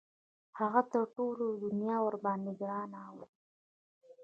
هغه تر ټولې دنیا ورباندې ګران وو.